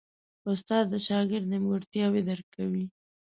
استاد د شاګرد نیمګړتیاوې درک کوي.